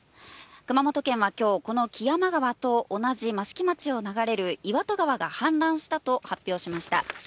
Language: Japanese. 熊本県はきょう、この木山川と同じ益城町を流れる岩戸川が氾濫したと発表しました。